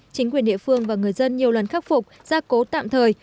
chính quyền địa phương và người dân nhiều lần khắc phục gia cố tạm thời